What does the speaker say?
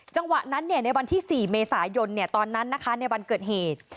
จังหวะนั้นเนี่ยในวันที่สี่เมษายนเนี่ยตอนนั้นนะคะในวันเกิดเหตุ